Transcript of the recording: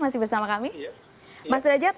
masih bersama kami mas derajat